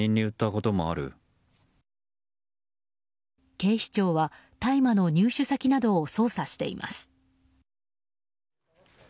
警視庁は大麻の入手先などを捜査しています。